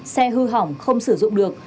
xe hư hỏng không sử dụng được